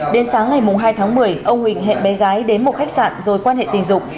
đến sáng ngày hai tháng một mươi ông huỳnh hẹn bé gái đến một khách sạn rồi quan hệ tình dục